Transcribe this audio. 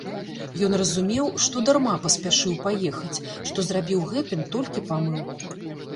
Ён разумеў, што дарма паспяшыў паехаць, што зрабіў гэтым толькі памылку.